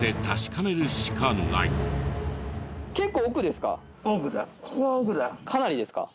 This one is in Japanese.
かなりですか？